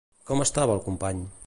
Com estava el company?